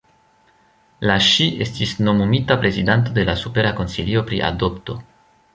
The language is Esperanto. La ŝi estis nomumita prezidanto de la Supera Konsilio pri Adopto.